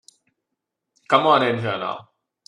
Come on in here now.